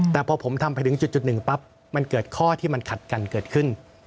แต่พอผมทำไปถึงจุดหนึ่งปั๊บมันเกิดข้อที่มันขัดกันเกิดขึ้น